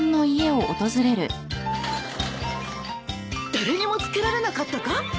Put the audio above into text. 誰にもつけられなかったか？